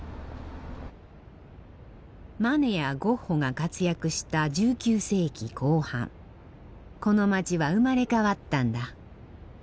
マネやゴッホが活躍した１９世紀後半この街は生まれ変わったんだ。